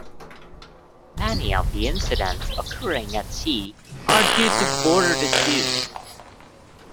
Many of the incidents occurring at sea are due to border disputes.